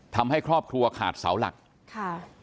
ทำให้ครอบครัวขาดเสาหลักค่ะ